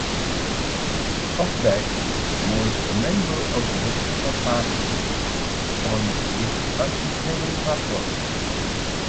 Opdyke was a member of the Republican Party on its anti-slavery platform.